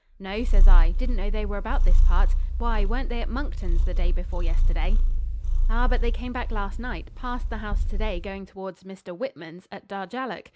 'No,' says I. 'Didn't know they were about this part. Why, weren't they at Monckton's the day before yesterday?' 'Ah! but they came back last night, passed the house to day going towards Mr. Whitman's, at Darjallook.